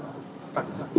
ini terkait dengan protokol